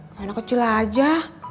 kalo anak kecil aja